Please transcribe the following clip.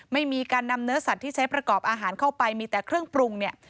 ไม่มีการนำเนื้อสัตว์ที่ใช้ประกอบอาหารเข้าไปมีแต่เครื่องปรุงเนี่ย